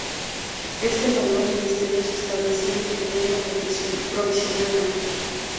Éste nombró ministerios estableciendo el Gobierno Provisional Ruso.